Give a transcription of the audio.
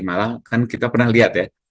malah kan kita pernah lihat ya